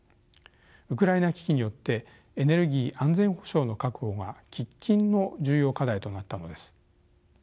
ウクライナ危機によってエネルギー安全保障の確保が喫緊の重要課題となったのです。